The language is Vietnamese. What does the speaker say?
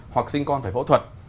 hoặc sinh con phải phẫu thuật